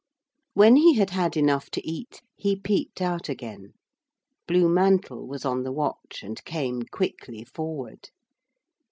When he had had enough to eat he peeped out again. Blue Mantle was on the watch and came quickly forward.